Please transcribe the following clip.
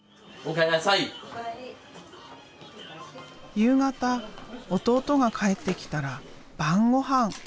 夕方弟が帰ってきたら晩ごはん。